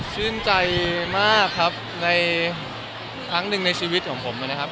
ชื่นใจมากครับในครั้งหนึ่งในชีวิตของผมนะครับ